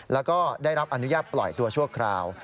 แล้วก็ได้รับอนุญาตปล่อยตัวชั่วคราว